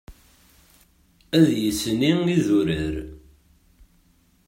Ad yesni idurar.